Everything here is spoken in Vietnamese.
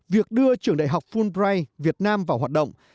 việc đưa trường đại học fulbray việt nam vào hoạt động